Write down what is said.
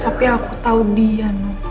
tapi aku tau dia